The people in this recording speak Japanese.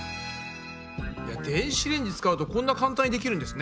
電子レンジ使うとこんな簡単にできるんですね。